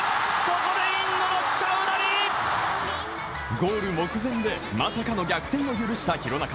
ゴール目前で、まさかの逆転を許した廣中。